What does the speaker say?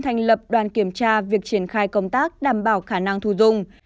thành lập đoàn kiểm tra việc triển khai công tác đảm bảo khả năng thu dung